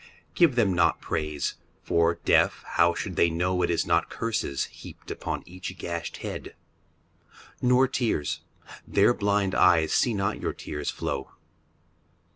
Give them not praise. For, deaf, how should they know It is not curses heaped on each gashed head ? Nor tears. Their blind eyes see not your tears flow.